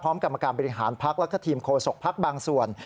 พร้อมกรรมการบริหารพักและทีมโคศกภักดิ์บางส่วน